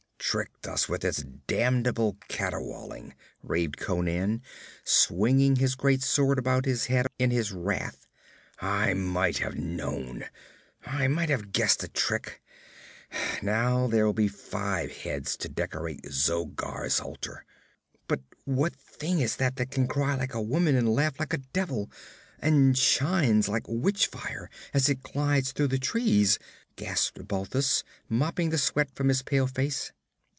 'Tricked us with its damnable caterwauling!' raved Conan, swinging his great sword about his head in his wrath. 'I might have known! I might have guessed a trick! Now there'll be five heads to decorate Zogar's altar.' 'But what thing is it that can cry like a woman and laugh like a devil, and shines like witch fire as it glides through the trees?' gasped Balthus, mopping the sweat from his pale face.